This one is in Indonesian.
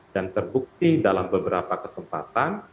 dan terbukti dalam beberapa kesempatan